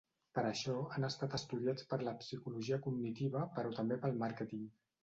Per això, han estat estudiats per la psicologia cognitiva però també pel màrqueting.